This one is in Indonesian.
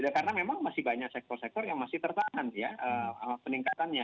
karena memang masih banyak sektor sektor yang masih tertahan ya peningkatannya